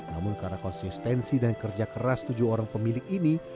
namun karena konsistensi dan kerja keras tujuh orang pemilik ini